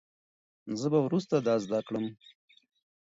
زه به وروسته دا زده کړم.